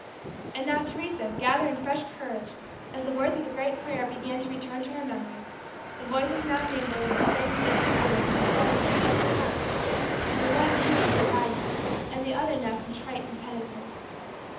'" And now Teresa, gathering fresh courage, as the words of the great prayer began to return to her memory, the voices now mingled in the same majestic words from, oh, such different hearts the one, pure and confiding, and the other now contrite and penitent.